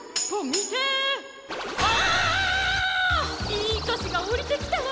いいかしがおりてきたわ！